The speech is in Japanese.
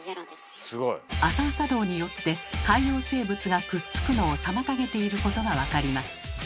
亜酸化銅によって海洋生物がくっつくのを妨げていることが分かります。